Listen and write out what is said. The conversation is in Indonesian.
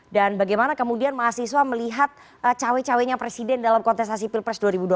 dan bagaimana kemudian mahasiswa melihat cawe cawenya presiden dalam kontestasi pilpres dua ribu dua puluh empat